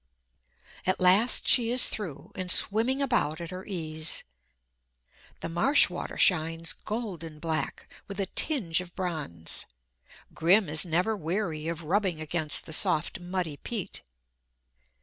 At last she is through, and swimming about at her ease. The marsh water shines golden black, with a tinge of bronze. Grim is never weary of rubbing against the soft, muddy peat.